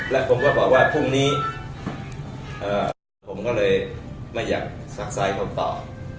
และผมก็บอกว่าพรุ่งนี้เอ่อผมก็เลยไม่อยากสักทรายความตอบ